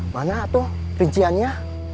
mana tuh rinciannya